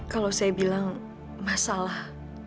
kalau saya bilang mas salah